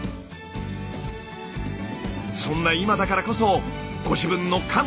そんな今だからこそご自分のかむ